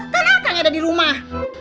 kan akang ada dirumah